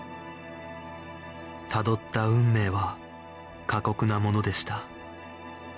たどった運命は過酷なものでした